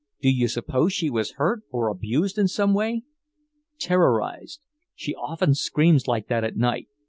"Do you suppose she was hurt, or abused in some way?" "Terrorized. She often screams like that at night.